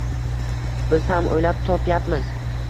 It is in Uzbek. biz ham o‘ylab topyapmiz...